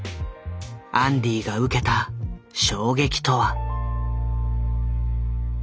アンディが受けた衝撃とは。